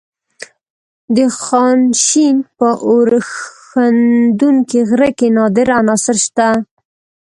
د خانشین په اورښیندونکي غره کې نادره عناصر شته.